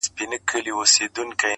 سوال جواب د اور لمبې د اور ګروزونه؛